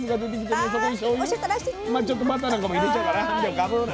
まあちょっとバターなんかも入れちゃうかな。